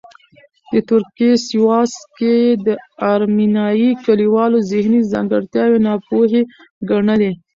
د ترکیې سیواس کې یې د ارمینیايي کلیوالو ذهني ځانګړتیاوې ناپوهې ګڼلې.